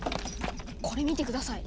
これ見て下さい。